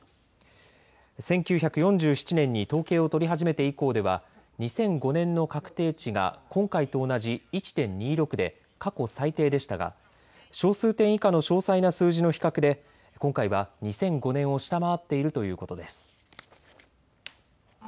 １９４７年に統計を取り始めて以降では２００５年の確定値が今回と同じ１．２６で過去最低でしたが少数点以下の詳細な数字の比較で今回は２００５年を下回っているということです。